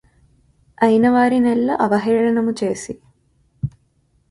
ఐనవారినెల్ల అవహేళనము చేసి